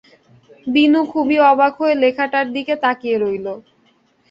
বিনু খুবই অবাক হয়ে লেখাটার দিকে তাকিয়ে রইল।